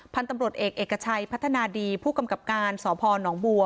พันธุ์ตำรวจเอกเอกชัยพัฒนาดีผู้กำกับการสพนบัว